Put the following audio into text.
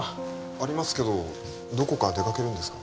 ありますけどどこか出かけるんですか？